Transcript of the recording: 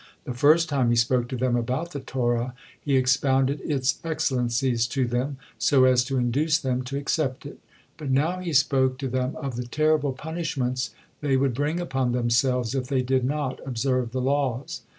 The first time he spoke to them about the Torah, he expounded its excellencies to them, so as to induce them to accept it; but now he spoke to them of the terrible punishments they would bring upon themselves, if they did not observe the laws.